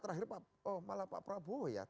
terakhir malah terakhir malah pak prabowo ya